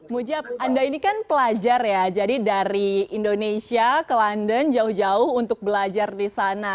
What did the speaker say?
mujab anda ini kan pelajar ya jadi dari indonesia ke london jauh jauh untuk belajar di sana